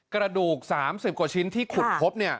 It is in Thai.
กระดูก๓๐กว่าชิ้นที่ขุดพบ